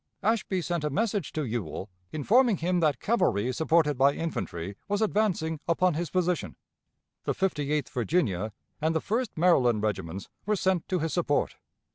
Ashby sent a message to Ewell, informing him that cavalry supported by infantry was advancing upon his position. The Fifty eighth Virginia and the First Maryland Regiments were sent to his support.